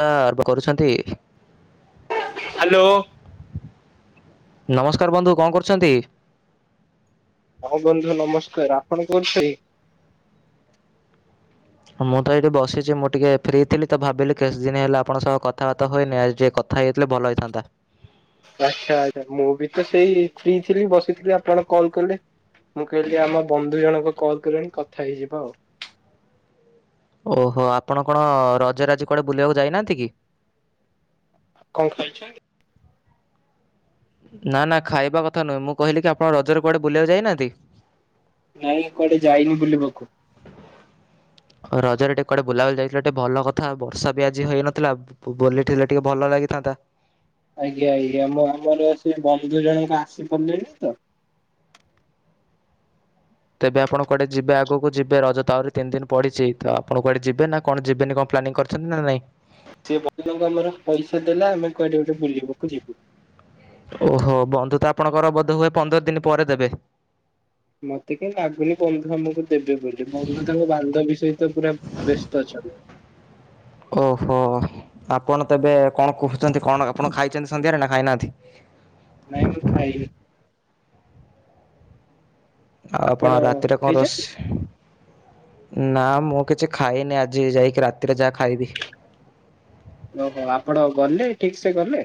ସ୍କାର ଭ କରୁଛନ୍ତି। ହାଲୋ। ନମସ୍କାର ବନ୍ଧୁ କଁ କରୁଛନ୍ତି? ହଁ ବନ୍ଧୁ ନମସ୍କାର ଆପଣ କେମିତି? ହଁ ମୁଁ ତ ଏଇଠି ବସିଛି ମୁଁ ଟିକେ ଫ୍ରି ଥିଲି ତ ଭାବିଲି କେତେ ଦିନ ହେଲା ଆପଣଙ୍କ ସହ କଥାବାର୍ତା ହୋଇନି ଆଜି ଟିକେ କ କଥା ହେଇ ଯାଇଥିଲେ ଭଲ ହେଇଥାନ୍ତା। ଆଚ୍ଛା ଆଚ୍ଛା ମୁଁ ବି ତ ସେଇ ଫ୍ରି ଥିଲି ବସିଥିଲି ଆପଣ କଲ୍ କଲେ। ମୁଁ କହିଲି ଆମ ବନ୍ଧୁ ଜଣଙ୍କ କଲ୍ କଲେଣି କଥା ହେଇଯିବା ଆଉ। ଓହୋ ଆପଣ କଣ ରଜରେ ଆଜି କୁଆଡେ ବୁଲିବାକୁ ଯାଇ ନାହାନ୍ତି କି? କଁ ଖାଇଛନ୍ତି? ନା ନା ଖାଇବା କଥା ନୁହେଁ ମୁଁ କହିଲି କି ଆପଣ ରଜରେ କୁଆଡେ ବୁଲିବାକୁ ଯାଇ ନାହାନ୍ତି। ନାଇଁ ମୁଁ କୁଆଡେ ଯାଇନି ବୁଲିବାକୁ। ହଉ ରଜରେ ଟିକେ କୁଆଡେ ବୁଲାବୁଲି ଯାଇଥିଲା ଟିକେ ଭଲ କଥା ବର୍ଷା ବି ଆଜି ହେଇନଥିଲା। ବୁବୋଲି ଥିଲେ ଟିକେ ଭଲ ଲାଗିଥାନ୍ତା। ଆଜ୍ଞା ଆଜ୍ଞା ମୁଁ ଆମର ସେ ବନ୍ଧୁ ଜଣକ ଆସି ପାରିଲେନି ତ। ତେବେ ଆପଣ କୁଆଡେ ଯିବେ ଆଗକୁ ଯିବେ ରଜ ତ ଆଉରି ତିନି ଦିନ ପଡିଛି ତ ଆଣପ କୁଆଡେ ଯିବେ ନା କଣ ଯିବେନି କଣ ପ୍ଲାନିଂ କରି ଛନ୍ତି ନା ନାଇଁ। ସେ ବନ୍ଧୁ ଙ୍କୁ ଆମର ପଇସା ଦେଲା ଆମେ କୁଆଡେ ଗୋଟେ ବୁଲିବାକୁ ଯିବୁ। ଓହୋ ବନ୍ଧୁ ତ ଆପଣଙ୍କର ବୋଧ ହୁଏ ପନ୍ଦର ଦିନ ପରେ ଦେବେ। ମତେ କାହିଁ ଲାଗୁନି ବନ୍ଧୁ ଆମକୁ ଦେବେ ବୋଲି ବନ୍ଧୁ ତାଙ୍କ ବାନ୍ଧବୀ ସହିତ ପୁରା। ବେସ୍ତ ଅଛନ୍ତି। ଓହୋ ଆପଣ ତେବେ କଣ କୂହୁଛନ୍ତି କଣ ଆପଣ ଖାଇଛନ୍ତି ସନ୍ଧ୍ୟାରେ ନା ଖାଇ ନାହାନ୍ତି? ନାଇଁ ମୁଁ ଖାଇନି। ଆଉ ଆପଣ ରାତିରେ କଣ ରୋଷ୍ ଖାଇଛନ୍ତି? ନା ମୁଁ କିଛି ଖାଇନି ଆଜି ଯାଇକି ରାତିରେ ଯାହା ଖାଇବି। ଓହୋ ଆପଣ ଗଲେ ଠିକ୍ ସେ ଗଲେ‌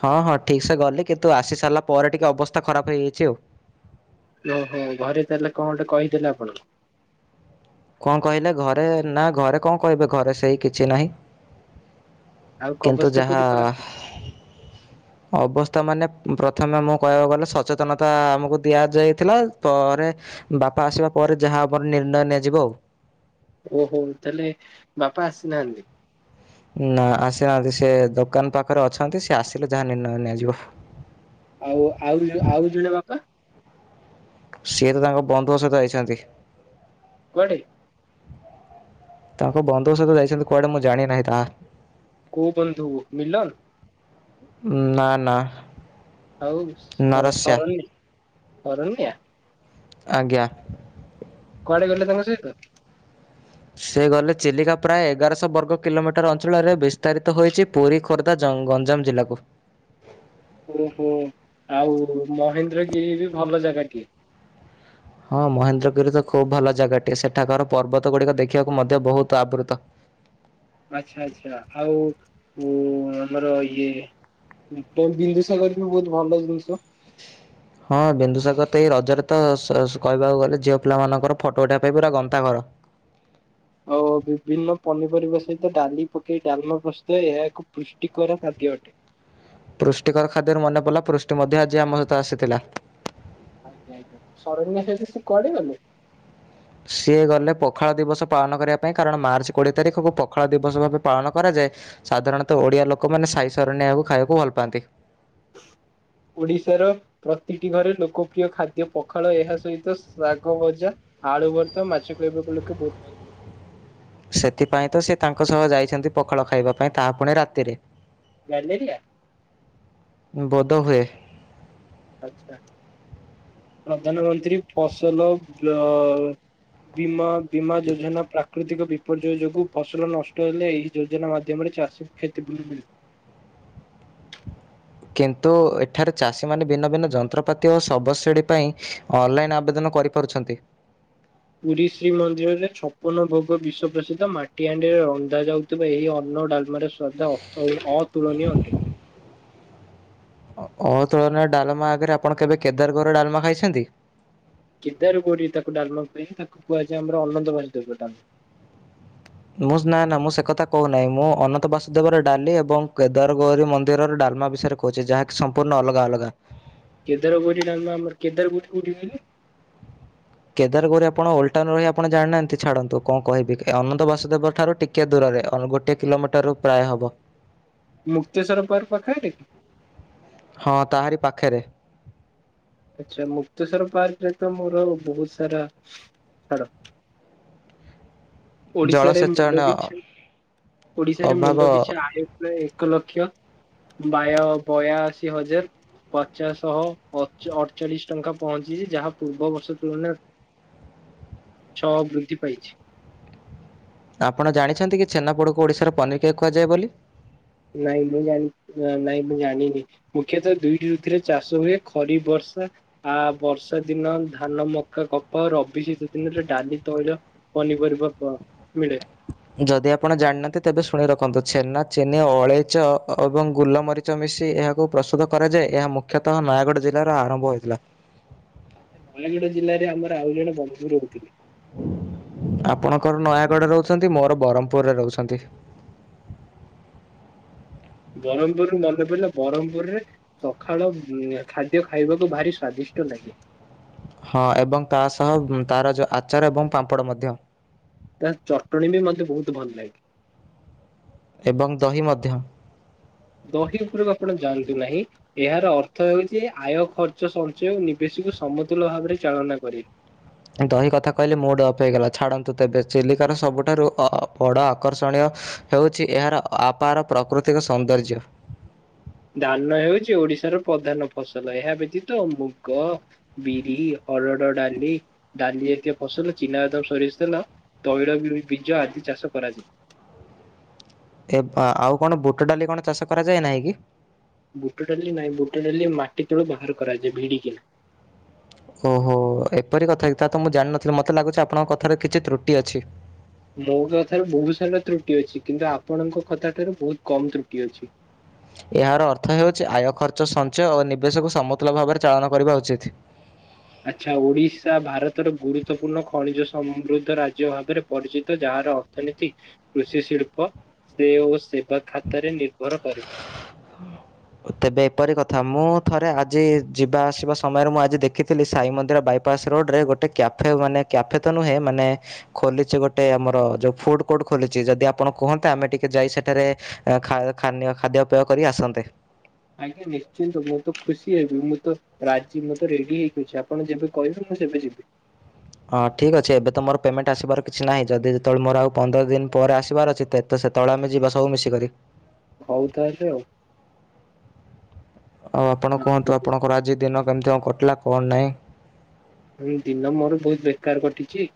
ହଁ ହଁ ଠିକ୍ସେ ଗଲି କିନ୍ତୁ ଆସି ସାରିଲା ପରେ ଟିକେ ଅବସ୍ଥା ଖରାପ ହେଇଯାଇଛି ଆଉ। ଓହୋ ଘରେ ତାହେଲେ କଣ ଗୋଟେ କହିଥିଲେ ଆପଣ। କଣ କହିଲେ ଘରେ ନା ଘରେ କଣ କହିବେ ଘରେ ସେଇ କିଛି ନାହିଁ। ଆଉ କିନ୍ତୁ ଅବସ୍ଥା ଯାହା କୋଉଠି ଖରାପ ଅବସ୍ଥା ମାନେ ପ୍ରଥମେ ମୁଁ କହିବାକୁ ଗଲେ ସଚେତନତା ଆମକୁ ଦିଆଯାଇଥିଲା ପରେ ବାପା ଆସିବା ପରେ ଯାହା ଆମର ନିର୍ଣ୍ଣୟ ନିଆଯିବ ଆଉ। ଓହୋ ତାହେଲେ ବାପା ଆସିନାହାନ୍ତି। ନା ଆସିନାହାନ୍ତି ସେ ଦୋକାନ ପାଖରେ ଅଛନ୍ତି ସେ ଆସିଲେ ଯାହା ନିର୍ଣ୍ଣୟ ନିଆଯିବ। ଆଉ ଆଉ ଜଣେ ଆଉ ଜୁଣେ ବାପା। ସିଏ ତ ତାଙ୍କ ବନ୍ଧୁଙ୍କ ସହିତ ଯାଇଛନ୍ତି। କୁଆଡେ। ତାଙ୍କ ବନ୍ଧୁଙ୍କ ସହିତ ଯାଇଛନ୍ତି କୁଆଡେ ମୁଁ ଜାଣିନାହିଁ ତାହା। କଉ ବନ୍ଧୁ ମିିଲନ। ନା ନା। ଆଉ କଣ ନରସ୍ୟା ସରଣି ଶରନ୍ୟା। ଆଜ୍ଞା। କୁଆଡେ ଗଲେ ତାଙ୍କ ସହିତ। ସେ ଗଲେ ଚିଲିକା ପ୍ରାୟ ଏଗାରଶହ ବର୍ଗ କିଲୋମିଟର ଅଞ୍ଚଳରେ ବିସ୍ତାରିତ ହୋଇଛି। ପୁରୀ ଖୋର୍ଦ୍ଧା ଜଙ୍ଗ ଗଞ୍ଜାମ ଜିଲ୍ଲାକୁ। ଓହୋ ଆଉ ମହେନ୍ଦ୍ରଗିରି ବି ଭଲ ଜାଗାଟିଏ। ହଁ ମହେନ୍ଦ୍ରଗିରି ତ ଖୁବ ଭଲ ଜାଗାଟିଏ ସେଠାକାରର ପର୍ବତ ଗୁଡିକ ଦେଖିବାକୁ ମଧ୍ୟ ବହୁତ ଆବୃତ। ଆଚ୍ଛା ଆଚ୍ଛା ଆଉ ଆମର ଇଏ। ବିନ୍ଦୁସାଗର ବି ବହୁତ ଭଲ ଜିନିଷ। ହଁ ବିନ୍ଦୁସାଗର ତ ଏଇ ରଜରେ ତ ସ କହିବାକୁ ଗଲେ ଝିଅ ପିଲା ମାନଙ୍କର ଫଟୋ ଉଠେଇିବା ପାଇଁ ପୁରା ଗନ୍ତା ଘର। ଆଉ ବିଭିନ୍ନ ପନିପରିବା ସହିତ ଡାଲି ପକେଇ ଡାଲମା ପ୍ରସ୍ତୁତ ଏହାକୁ ପୃଷ୍ଟିକର ଖାଦ୍ୟ ଅଟେ। ପୃଷ୍ଟିକର ଖାଦ୍ୟରୁ ମନେପଡ଼ିଲା ପୃଷ୍ଟି ମଧ୍ୟ ଆଜି ଆମ ସହିତ ଆସିଥିଲା। ଆଜ୍ଞା ଆଜ୍ଞା ସରନ୍ୟା ସହିତ ସେ କୁଆଡେ ଗଲେ। ସିଏ ଗଲେ ପଖାଳ ଦିବସ ପାଳନ କରିବା ପାଇଁ କାରଣ ମାର୍ଚ୍ଚ କୋଡ଼ିଏ ତାରିଖକୁ ପଖାଳ ଦିବସ ଭାବେ ପାଳନ କରାଯାଏ। ସାଧାରଣତଃ ଓଡିଆ ଲୋକମାନେ ସାଇ ସରନ୍ୟାକୁ ଖାଇବାକୁ ଭଲ ପାଆନ୍ତି। ଓଡିଶାର ପ୍ରତିଟି ଘରେ ଲୋକପ୍ରିୟ ଖାଦ୍ୟ ପଖାଳ ଏହା ସହିତ ଶାଗ ଭଜା। ଆଳୁ ଭରତା ମାଛ ଖାଇବାକୁ ଲୋକେ ବହୁତ ପାଆନ୍ତି। ସେଥିପାଇଁ ତ ସେ ତାଙ୍କ ସହ ଯାଇଛନ୍ତି ପଖାଳ ଖାଇବା ପାଇଁ ତାହା ପୁଣି ରାତିରେ। ଗ୍ୟାଲେରିଆ। ବୋଧେହୁଏ। ଆଚ୍ଛା। ପ୍ରଧାନମନ୍ତ୍ରୀ ଫସଲ ବ୍ୟ ବିମା ବୀମା ଯୋଜନା ପ୍ରା ପ୍ରାକୃତିକ ବିପର୍ଯ୍ୟୟ ଯୋଗୁଁ ଫସଲ ନଷ୍ଟ ହେଲେ ଏହି ଯୋଜନା ମାଧ୍ୟମରେ ଚାଷୀଙ୍କୁ କ୍ଷତିପୂର୍ଣ୍ଣ ମି କିନ୍ତୁ ଏଠାରେ ଚାଷୀମାନେ ଭିନ୍ନ ଭିନ୍ନ ଯନ୍ତ୍ରପାତି ଓ ଶବ ଶିଡ଼ି ପାଇଁ ଅନଲାଇନ୍ ଆବେଦନ କରିପାରୁଛନ୍ତି। ପୁରୀ ଶ୍ରୀ ମନ୍ଦିରରେ ଛପନ ଭୋଗ ବିଶ୍ୱ ପ୍ର୍ରସିଦ୍ଧ ମାଟିଆଣ୍ଡିରେ ରନ୍ଧାାଯ ଯାଉଥିବା ଏହି ଅନ୍ନ ଡାଲମାରେ ଶ୍ରଦ୍ଧା ଅର୍ଥ ଅତୁଳନୀୟ ଅଟେ। ଅ ତୁଳନ ଡାଲମା ଆଗରେ ଆପଣ କେବେ କେଦାର ଗୋର ଡାଲମା ଖାଇଛନ୍ତି। କେଦାରୁ ଗୋଉରି ତାକୁ ଡାମା କୁହେନି ତାକୁ କୁହାଯାଏ ଆମର ଅନନନ୍ଦବା ଦୁବଡା। ମୁଁ ନା ନା ମୁଁ ସେ କଥା କହୁନାହିଁ ମୁଁ ଅନନ୍ତ ବାସୁଦେବର ଡାଲି ଏବଂ କେଦାରଗୌରୀ ମନ୍ଦିରର ଡାଲମା ବିଷୟରେ କହୁଛି ଯାହା କି ସମ୍ପୂର୍ଣ୍ଣ ଅଲଗା ଅଲଗା। କେଦାର ଗୋରୀ ଡ଼ାଲମା ଆମର କେଦାର ଗୋରୀ କଉଠି କହିଲେ। କେଦାରଗୌରି ଆପଣ ଓଲ୍ଟାଉନ ରହି ଆପଣ ଜାଣନାହାନ୍ତି ଛାଡ଼ନ୍ତୁ କଣ କହିବି ଅନନ୍ତ ବାସୁଦେବ ଠାରୁ ଟିକେ ଟିକେ ଦୂରରେ ଅ ଗୋଟେ କିଲୋମିଟରରୁ ପ୍ରାୟ ହେବ। ମୁକ୍ତେଶ୍ୱର ପାର୍କ ପାଖରେ କି। ହଁ ତାହାରି ପାଖରେ। ଆଚ୍ଛା ମୁକ୍ତେଶ୍ୱର ପାର୍କରେ ତ ମୋର ବହୁତ ସାରା ଛାଡ ଓଡିଶାରେ ଜଳସେଚନ ମୁଣ୍ଡପିଛା ଓଡିଶାରେ ଅଭାବ ମୁଣ୍ଡପିଛା ଆୟ ପ୍ରାୟେ ଏକ ଲକ୍ଷ ବାୟ ବୟାଅଶି ହଜାର। ପଚାଶଶହ ଅଚ ଅଠଚାଳିଶ ଟଙ୍କା ପହଞ୍ଚିଛି ଯାହା ପୂର୍ବବର୍ଷ ତୁଳନାରେ [inaudible] ଛଅ ବୃଦ୍ଧି ପାଇଛି। ଆପଣ ଜାଣିଛନ୍ତି କି ଛେନାପୋଡ଼କୁ ଓଡ଼ିଶାର ପନିର କେକ୍ କୁହାଯାଏ ବୋଲି। ନାଇଁ ମୁଁ ଜାଣି ଅ ନାଇଁ ମୁଁ ଜାଣିନି। ମୁଖ୍ୟତଃ ଦୁଇଟି ଋତୁରେ ଚାଷ ହୁଏ ଖରିଫ ବର୍ଷା ଆ ବର୍ଷା ଦିନ ଧାନ ମକା କପା ରବି ଶୀତ ଦିନରେ ଡାଲି ତୈଳ ପନିପରିବା ବା ମିଳେ। ଯଦି ଆପଣ ଜାଣିନାହାନ୍ତି ତେବେ ଶୁଣି ରଖନ୍ତୁ ଛେନା ଚିନି ଅଳେଇଚ ଅ ଏବଂ ଗୁଲମରି ଚ ମିିଶି ଏହାକୁ ପ୍ରସ୍ତୁତ କରାଯାଏ ଏହା ମୁଖ୍ୟତଃ ନୟାଗଡ଼ ଜିଲ୍ଲାର ଆରମ୍ଭ ହୋଇଥିଲା। ନୟାଗଡ଼ ଜିଲ୍ଲାରେ ଆମର ଆଉ ଜଣେ ବନ୍ଧୁ ରହୁଥିଲେ। ଆପଣଙ୍କର ନୟାଗଡ଼ରେ ରହୁଛନ୍ତି ମୋର ବ୍ରହ୍ମପୁରରେ ରହୁଛନ୍ତି। ବ୍ରହ୍ମପୁରରୁ ମନେ ପଡ଼ିଲା ବ୍ରହ୍ମପୁରରେ। ସଖାଳଆ ଉଁ ଏ ଖାଦ୍ୟ ଖାଇବାକୁ ଭାରି ସ୍ଵାଦିଷ୍ଟ ଲାଗେ। ହଁ ଏବଂ ତା ସହ ଉଁ ତାର ଯଉ ଆଚାର ଏବଂ ପାମ୍ପଡ଼ ମଧ୍ୟ। ତା ଚଟଣୀ ବି ମତେ ବହୁତ ଭଲ ଲାଗେ। ଏବଂ ଦହି ମଧ୍ୟ। ଦହି ଉପରକୁ ଆପଣ ଯାଆନ୍ତୁ ନାହିଁ। ଏହାର ଅର୍ଥ ହେଉଛି ଆୟ ଖର୍ଚ୍ଚ ସଞ୍ଚୟ ନିବେଶକୁ ସମତୁଲ ଭାବରେ ଚାଳନା କରିବ। ଦହି କଥା କହିଲେ ମୁଡ଼ ଅଫ୍ ହେଇଗଲା ଛାଡ଼ନ୍ତୁ ତେବେ ଚିଲିକାର ସବୁଠାରୁ ଅ ବଡ଼ ଆକର୍ଷଣୀୟ। ହେଉଛି ଏହାର ଅ ଆପାର ପ୍ରାକୃତିକ ସୌନ୍ଦର୍ଯ୍ୟ। ଧାନ ହେଉଛି ଓଡିଶାର ପ୍ରଧାନ ଫସଲ ଏହା ବ୍ୟତୀତ ମୁଗ ବିରି, ହରଡ ଡାଲି ଡାଲି ଜାତୀୟ ଫସଲ ଚିନାବାଦାମ, ସୋରିଷ ତେଲ। ତୈଳ ବି-ବୀଜ ଆଦି ଚାଷ କରାଯାଏ। ଏ ବା ଆଉ କଣ ବୁଟ ଡାଲି କଣ ଚାଷ କରାଯାଏ ନାହିଁ କି? ବୁଟ ଡାଲି ନାଇଁ ବୁଟ ଡାଲି ମାଟି ତଳୁ ବାହାର କରାଯାଏ ଭିଡିକିନା। ଓହୋ ଏପରି କଥା କି ତା ତ ମୁଁ ଜାଣିନଥିଲି ମତେ ଲାଗୁଛି ଆପଣଙ୍କ କଥାରେ କିଛି ତ୍ରୁଟି ଅଛି। ମୋ କଥାରେ ବହୁତ୍ ସାରା ତ୍ରୁଟି ଅଛି କିନ୍ତୁ ଆପଣଙ୍କ କଥା ଠାରୁ ବହୁତ କମ ତ୍ରୁଟି ଅଛି। ଏହାର ଅର୍ଥ ହେଉଛି ଆୟ ଖର୍ଚ୍ଚ ସଞ୍ଚୟ ଓ ନିବେଶକୁ ସମତୁଲ ଭାବରେ ଚାଳନ କରିବା ଉଚିତ। ଆଚ୍ଛା ଓଡିଶା ଭାରତର ଗୁରୁତ୍ୱପୂର୍ଣ୍ଣ ଖଣିଜ ସମୃଦ୍ଧ ରାଜ୍ୟ ଭାବରେ ପରିଚିତ ଯାହାର ଅର୍ଥନୀତି କୃଷି ଶିଳ୍ପ ସେ ଓ ସେବା ଖାତାରେ ନିର୍ଭର କରେ। ହଁ। ତେବେ ଏପରି କଥା ମୁଁ ଥରେ ଆଜି ଯିବା ଆସିବା ସମୟରେ ମୁଁ ଆଜି ଦେଖିଥିଲି ସାଇ ମନ୍ଦିର ବାଇପ ପାସ୍ ରୋଡ ରେ ଗୋଟେ କ୍ୟାଫେ ମାନେ କ୍ୟାଫେ ତ ନୁହେଁ ମାନେ। ଖୋଲିଛି ଗୋଟେ ଆମର ଯୋଉ ଫୁଡ କୋର୍ଟ ଖୋଲିଛି ଯଦି ଆପଣ କୁହନ୍ତେ ଆମେ ଟିକେ ଯାଇ ସେଠାରେ ଏ ଖା ଖାନୀୟ ଖାଦ୍ୟପେୟ କରି ଆସନ୍ତେ। ଆଜ୍ଞା ନିଶ୍ଚିନ୍ତ ମୁଁ ତ ଖୁସି ହେବି ମୁଁ ତ ରାଜି ମୁଁ ତ ରେଡି ହେଇକି ଅ ଛି ଆପଣ ଯେବେ କହିବେ ମୁଁ ସେବେ ଯିବି। ହଁ ଠିକ୍ ଅଛି ଏବେ ତ ମୋର ପେମେଣ୍ଟ ଆସିବାର କିଛି ନାହିଁ ଯଦି ଯେତେବେଳେ ମୋର ଆଉ ପନ୍ଦର ଦିନ ପରେ ଆସିବାର ଅଛି ତେ ତ ସେତେବେଳେ ଆମେ ଯିବା ସବୁ ମିଶିକରି। ହଉ ତାହେଲେ ଆଉ। ଆଉ ଆପଣ ହୁଁ, କୁହନ୍ତୁ ଆପଣଙ୍କର ଆଜି ଦିନ କେମିତି କଣ କଟିଲା କଣ ନାହିଁ? ହୁଁ ଦିନ ମୋର ବହୁତ ବେକାର କଟିଛି।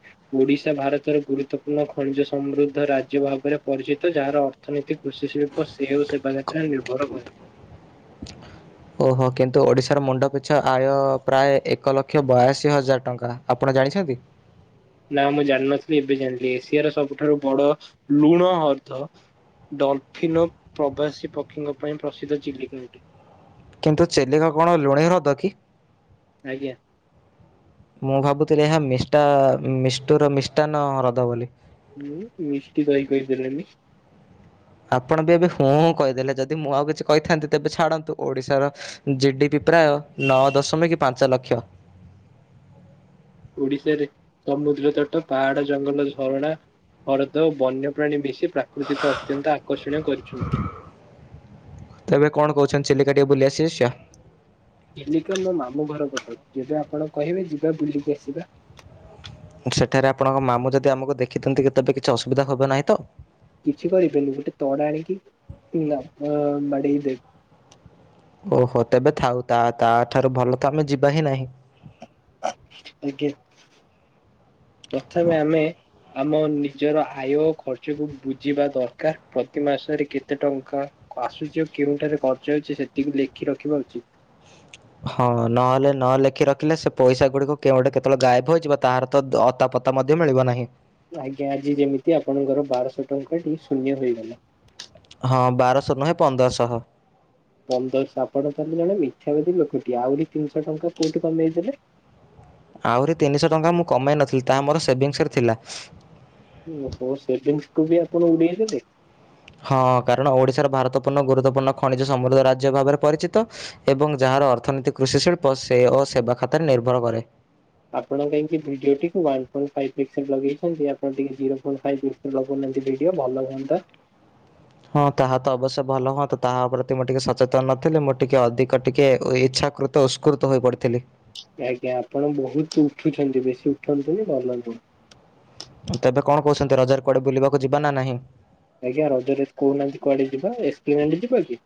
ଓଡିଶା ଭାରତର ଗୁରୁତ୍ୱପୂର୍ଣ୍ଣ ଖଣିଜ ସମୃଦ୍ଧ ରାଜ୍ୟ ଭାବରେ ପରିଚିତ ଯାହାର ଅର୍ଥନୀତି କୃଷି ଶି ସେଉ ସେବା ଯାତ୍ରା ନିର୍ଭର କରେ। ଓହୋ କିନ୍ତୁ ଓଡ଼ିଶାର ମୁଣ୍ଡ ପିଛା ଆୟ ପ୍ରାୟ ଏକ ଲକ୍ଷ ବୟାଅଶୀ ହଜାର ଟଙ୍କା, ଆପଣ ଜାଣିଛନ୍ତି? ନା ମୁଁ ଜାଣିନଥିଲି ଏବେ ଜାଣିଥିଲି ଏସିଆର ସବୁଠାରୁ ବଡ ଲୁଣ ହର୍ଦ୍ଦ ଡଲଫିନ ପ୍ରବାସୀ ପକ୍ଷୀଙ୍କ ପାଇଁ ପ୍ରସିଦ୍ଧ ଚିଲିକା ଅଟେ। କିନ୍ତୁ ଚିଲିକା କଣ ଲୁଣି ହ୍ରଦ କି? ଆଜ୍ଞା। ମୁଁ ଭାବୁଥିଲି ଏହା ମିଷ୍ଟା ମିଷ୍ଟୁର ମିଷ୍ଟାନ୍ ହ୍ରଦ ବୋଲି ହଁ ମିଷ୍ଟ୍ ଦହି କହିଦେଲନି। ଆପଣ ବି ଏବେ ହଁ କହିଦେଲେ ଯଦି ମୁଁ ଆଉ କିଛି କହିଥାନ୍ତି ତେବେ ଛାଡ଼ନ୍ତୁ ଓଡିଶାର ଜିଡିପି ପ୍ରାୟ ନଅ ଦଶମିକ ପାଞ୍ଚ ଲକ୍ଷ। ଓଡିଶାରେ ସମୁଦ୍ର ତଟ ପାହାଡ ଜଙ୍ଗଲ ଝରଣା ହ୍ରଦ ଓ ବନ୍ୟପ୍ରାଣୀ ମିଶୀ ପ୍ରାକୃତିକ ଅତ୍ୟନ୍ତ ଆକର୍ଷଣୀୟ କରିଛନ୍ତି। ତେବେ କଣ କହୁଛନ୍ତି ଚିଲିକା ଟିକେ ବୁଲି ଆସି ଆସିଛ ଚିଲିକା ମୋ ମାମୁଁ ଘର ପାଖେ ଯେବେ ଆପଣ କହିବେ ଯିବା ବୁଲିକି ଆସିବା। ସେଠାରେ ଆପଣଙ୍କ ମାମୁ ଯଦି ଆମକୁ ଦେଖିଥାନ୍ତି କି ତେବେ କିଛି ଅସୁବିଧା ହେବ ନାହିଁ ତ? କିଛି କହିବେନି ଗୋଟେ ତୋଡ଼ ଆଣୀକି ମ ମଡ଼େଇ ଦେ ଓହୋ ତେବେ ଥାଉ ତା ତା ଠାରୁ ଭଲ ତ ଆମେ ଯିବା ହିଁ ନାହିଁ। ଆଜ୍ଞା ପ୍ରଥମେ ଆମେ ଆମ ନିଜର ଆୟ ଖର୍ଚ୍ଚକୁ ବୁଝିବା ଦରକାର ପ୍ରତି ମାସରେ କେତେ ଟଙ୍କା ଆସୁଛି ଆ କେଉଁଠାରେ ଖର୍ଚ୍ଚ ହେଉଛି ସେତିକି ଲେଖି ରଖିବା ଉଚିତ୍। ହଁ ନହେଲେ ନ ଲେଖି ରଖିଲେ ସେ ପଇସା ଗୁଡିକ କେଉ ଆଡ଼େ କେତେବେଳେ ଗାୟବ ହେଇଯିବ ତାର ଅତା ପତା ମଧ୍ୟ ମିଳିବ ନାହିଁ। ଆଜ୍ଞା ଆଜି ଯେମିତି ଆପଣଙ୍କର ବାରଶହ ଟଙ୍କା ଟିକେ ଶୂନ୍ୟ ହେଇଗଲା ହଁ ବାରଶହ ନୁହେଁ ପନ୍ଦରଶହ ପନ୍ଦରଶହ ଆପଣ ତାହେଲେ ଜଣେ ମିଥ୍ୟାବାଦୀ ଲୋକଟିଏ ଆହୁରି ତିନିଶହ ଟଙ୍କା କୋଉଠି କମେଇଦେଲେ। ଆହୁରି ତିନିଶହ ଟଙ୍କା ମୁଁ କମାଇ ନଥିଲି ତାହା ମୋର ସେଭିଙ୍ଗସରେ ଥିଲା। ଓ ହୋ ସେଭିଙ୍ଗକୁୁ ବି ଆପଣ ଉଡେଇ ଦେଲେ। ହଁ କାରଣ ଓଡିଶାର ଭାରତପୂର୍ଣ୍ଣ ଗୁରୁତ୍ୱପୂର୍ଣ୍ଣ ଖଣିଜ ସମୃଦ୍ଧ ରାଜ୍ୟ ଭାବରେ ପରିଚିତ, ଏବଂ ଯାହାର ଅର୍ଥନୀତି କୃଷି ଶିଳ୍ପ ସେ ଓ ସେବା ଖାତାରେ ନିର୍ଭର କରେ ଆପଣ କାହିଁକି ଭିଡିଓ ଟିକୁ ଓନେ ପଏଣ୍ଟ ଫାଇଭ ପିକ୍ସେଲ ଲଗେଇଛନ୍ତି ଆପଣ ଟିକେ ଜିରୋ ପଏଣ୍ଟ ଫାଇବ ଲଗଉ ନାହାନ୍ତି ଭିଡିଓ ଭଲ ହୁଅନ୍ତା ହଁ ତାହା ତ ଅବଶ୍ୟ ଭଲ ହୁଅନ୍ତା ତାହା ପ୍ରତି ମୁଁ ଟିକେ ସଚେତନ ନଥିଲ ମୁଁ ଟିକେ ଅଧିକ ଟିକେ ଇଚ୍ଛାକୃ ଉଷ୍କୃତ ହୋଇ ପଡିଥିଲି। ଆଜ୍ଞା ଆପଣ ବହୁତ ଉଠୁଛନ୍ତି ବେଶୀ ଉଠନ୍ତୁନି ଭଲନୁହଁ। ତେବେ କଣ କହୁଛନ୍ତି ରଜରେ କଆଡେ ବୁଲିବାକୁ ଯିବା ନା ନାହିଁ ଆଜ୍ଞା ରଜରେ କହୁନାହାନ୍ତି କୁଆଡେ ଯିବା ଏସ୍ପିଲାଣ୍ଟ୍ ଯିବା କି?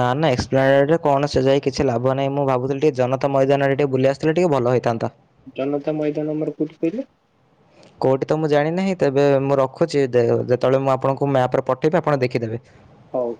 ନା ନା ଏସ୍ପ୍ଲାନେଟ କଣ ସେ ଯାଇ କିଛି ଲାଭ ନାହିଁ ମୁଁ ଭାବୁଥିଲ ଟିକେ ଜନତା ମଇଦାନରେ ଟିକେ ବୁଲିଆସି ଲେ ଟିକେ ଭଲ ହୋଇଥାନ୍ତା। ଜନତା ମଇଦାନ ଆମର କୋଉଠି କହିଲେ? କୋଉଠି ତ ମୁଁ ଜାଣିନାହିଁ ତେବେ ମୁଁ ରଖୁଛି ଯେତେବେଳେ ମୁଁ ଆପଣଙ୍କୁ ମ୍ୟାପରେ ପଠେଇବି ଆପଣ ଦେଖିଦେବେ। ହଉ।